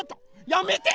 やめて！